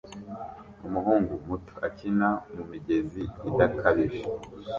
Umuhungu muto akina mumigezi idakabije